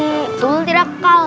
betul tidak kal